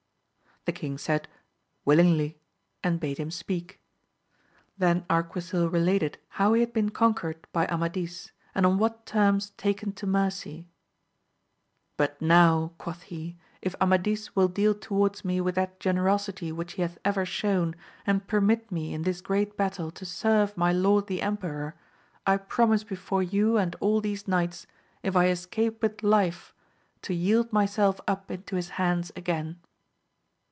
The king said, Willingly, and bade him speak. Then Arquisil related how he had been conquered by Amadis, and on what terms taken to mercy ; But now, quoth he, if Amadis will deal towards me with that generosity which he hath ever shown, and permit me in this great battle to serve my lord the emperor, I promise before you and all these knights if I escape with life, to yield myself up into his hands again.